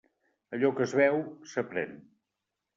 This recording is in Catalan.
Allò que es veu, s'aprèn.